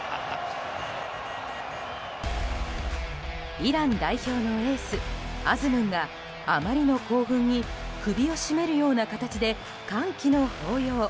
イラン代表のエースアズムンがあまりの興奮に首を絞めるような形で歓喜の抱擁。